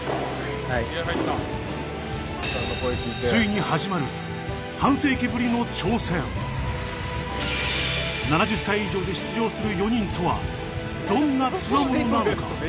ついに始まる７０歳以上で出場する４人とはどんな強者なのか？